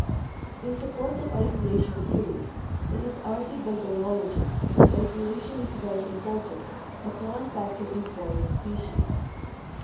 In support of isolation theories, it is argued by biologists that isolation is very important as one factor in forming species.